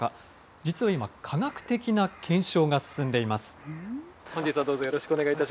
実は今、科学的な検証が進んでいます。